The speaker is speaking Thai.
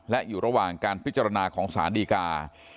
และอยู่ระหว่างการพิจารณาของสารดีกา